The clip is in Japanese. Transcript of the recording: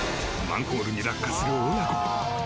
マンホールに落下する親子。